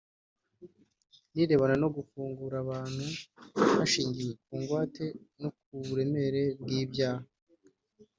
ni irebana no gufungura abantu hashingiwe ku ngwate no ku buremere bw’ibyaha